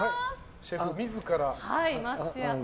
桝谷シェフ自ら。